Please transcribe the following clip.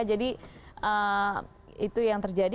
jadi itu yang terjadi